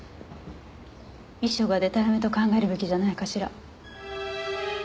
遺書がでたらめと考えるべきじゃないかしら？